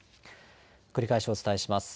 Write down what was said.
繰り返しお伝えします。